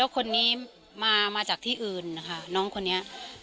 แล้วคนนี้มาจากที่อื่นน้องคนนี้